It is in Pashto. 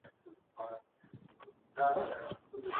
کارخانې څنګه د تولید پلان سموي؟